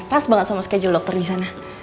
pas banget sama schedule dokter disana